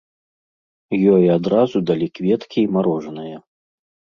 Ёй адразу далі кветкі і марожанае.